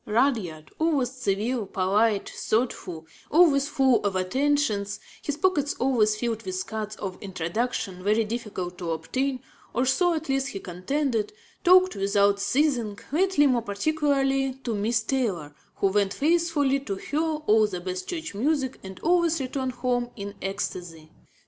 Rudyard, always civil, polite, thoughtful, always full of attentions, his pockets always filled with cards of introduction very difficult to obtain or so at least he contended talked without ceasing, lately more particularly to Miss Taylor, who went faithfully to hear all the best church music and always returned home in ecstasy.